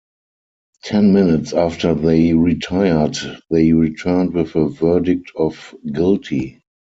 Ten minutes after they retired, they returned with a verdict of guilty.